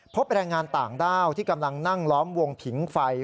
แรงงานต่างด้าวที่กำลังนั่งล้อมวงผิงไฟ